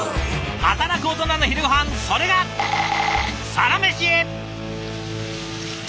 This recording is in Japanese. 働くオトナの昼ごはんそれが「サラメシ」。